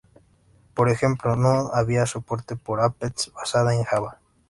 Por ejemplo, no había soporte para applets basadas en Java.